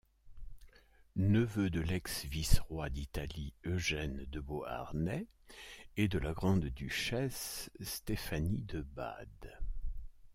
Neveu de l'ex-vice-roi d'Italie Eugène de Beauharnais et de la grande-duchesse Stéphanie de Bade.